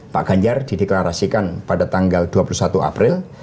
pak ganjar dideklarasikan pada tanggal dua puluh satu april